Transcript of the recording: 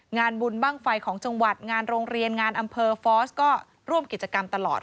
งานบุญบ้างไฟของจังหวัดงานโรงเรียนงานอำเภอฟอสก็ร่วมกิจกรรมตลอด